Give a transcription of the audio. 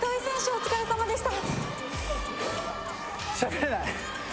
お疲れさまでした